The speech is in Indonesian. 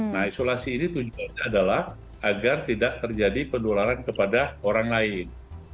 nah isolasi ini tujuannya adalah agar tidak terjadi penularan kepada orang lain